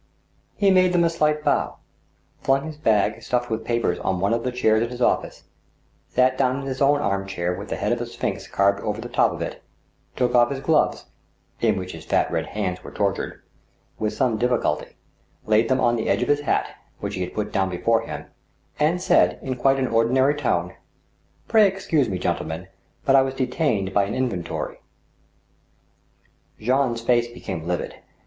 He made them a slight bow, flung his bag stuffed with papers on one of the chairs in his office, sat down in his own arm chair with the head of a sphinx carved over the top of it, took off his gloves, (in which his fat red hands were tortured) with some diffi culty, laid them on the edge of his hat, which he had put down be fore him, and said, in quite an ordinary tone :" Pray, excuse me, gentlemen, but I was detained by an in ventory." Jean's face became livid.